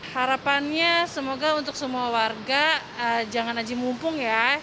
harapannya semoga untuk semua warga jangan naji mumpung ya